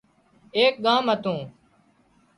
ايڪ ڳام هتون